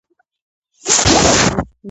გამოყენებულია სამკურნალო მიზნებისათვის.